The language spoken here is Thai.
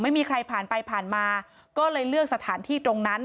ไม่มีใครผ่านไปผ่านมาก็เลยเลือกสถานที่ตรงนั้น